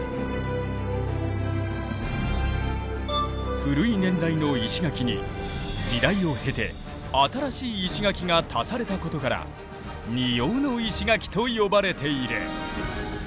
古い年代の石垣に時代を経て新しい石垣が足されたことから二様の石垣と呼ばれている。